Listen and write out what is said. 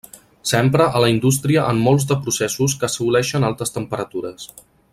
S'empra a la indústria en molts de processos que assoleixen altes temperatures.